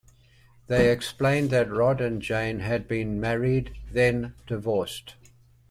They explained that Rod and Jane had been married then divorced.